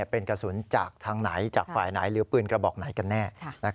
เป็นกระสุนจากทางไหนจากฝ่ายไหนหรือปืนกระบอกไหนกันแน่